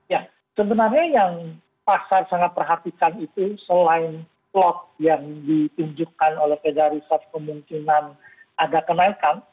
ya sebenarnya yang pasar sangat perhatikan itu selain plot yang ditunjukkan oleh federa reserve kemungkinan ada kenaikan